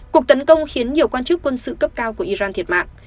cuộc tấn công khiến nhiều quan chức quân sự cấp cao của iran thiệt mạng